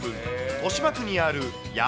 豊島区にある山